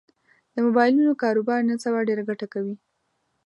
د مبایلونو کاروبار نن سبا ډېره ګټه کوي